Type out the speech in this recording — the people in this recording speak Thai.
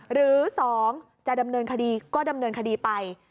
หรือ๒จะดำเนินคดีก็ดำเนินคดีไป